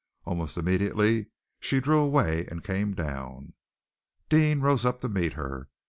Almost immediately she drew away and came down. Deane rose up to meet her.